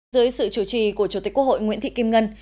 dưới sự chủ trì của chủ tịch quốc hội nguyễn thị kim ngân